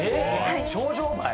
ショウジョウバエ？